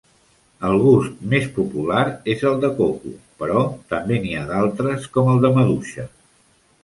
El gust més popular és el de coco però també n'hi ha d'altres, com el de maduixa.